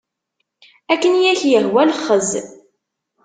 Akken i ak-yehwa lexxez.